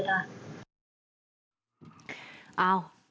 ถ้าเกิดจะเขาทั้งหลังหนึ่งได้